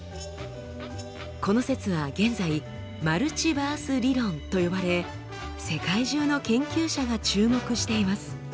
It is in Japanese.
この説は現在「マルチバース理論」と呼ばれ世界中の研究者が注目しています。